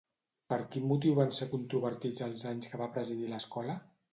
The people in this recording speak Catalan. Per quin motiu van ser controvertits els anys que va presidir l'Escola?